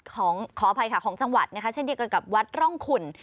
ขออภัยค่ะของจังหวัดนะคะเช่นเดียวกันกับวัดร่องขุ่น